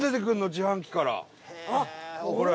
自販機から、これ。